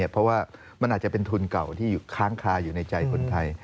เพราะว่ามันอาจจะเป็นทุนเก่าที่ค้างคาอยู่ในใจคนไทย